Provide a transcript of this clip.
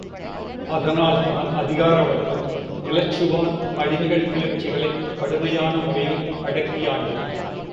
அதனால்தான், அதிகார வர்க்கம் நிலச்சுவான் அடிமைகள் கிளர்ச்சிகளைக் கடுமையான முறையில் அடக்கியாண்டது!